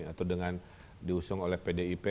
atau dengan diusung oleh pdip